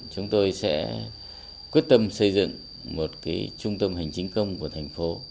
chúng tôi sẽ quyết tâm xây dựng một trung tâm hành chính công của thành phố